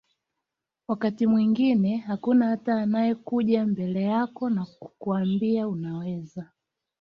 wakati mwingine hakuna hata anakayekuja mbele yako na kukuambia unaweza